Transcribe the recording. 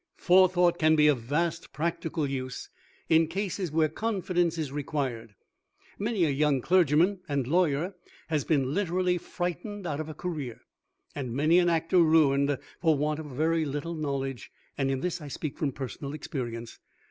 Forethought can be of vast practical use in cases where confidence is required. Many a young clergyman and lawyer has been literally frightened out of a career, and many an actor ruined for want of a very little knowledge, and in this I speak from personal experience.